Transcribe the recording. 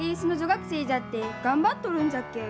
学生じゃって頑張っとるんじゃけえ。